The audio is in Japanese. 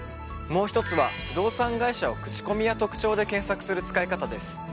もう１つは不動産会社を口コミや特徴で検索する使い方です。